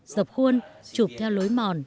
dọc khuôn chụp theo lối mòn